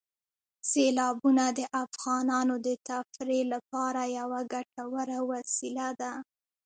سیلابونه د افغانانو د تفریح لپاره یوه ګټوره وسیله ده.